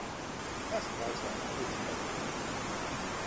Erstmals werden auch Mädchen aufgenommen.